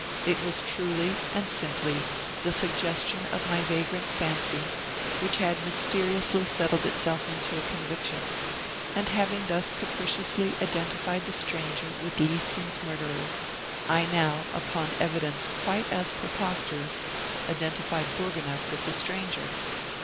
It was truly and simply the suggestion of my vagrant fancy, which had mysteriously settled itself into a conviction; and having thus capriciously identified the stranger with Lieschen's murderer, I now, upon evidence quite as preposterous, identified Bourgonef with the stranger.